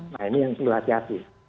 nah ini yang perlu hati hati